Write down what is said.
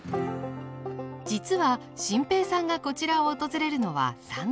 実は心平さんがこちらを訪れるのは３度目。